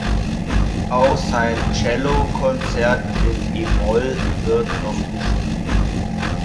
Auch sein Cellokonzert in e-Moll wird noch gespielt.